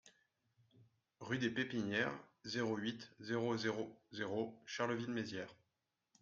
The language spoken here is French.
Rue des Pépinières, zéro huit, zéro zéro zéro Charleville-Mézières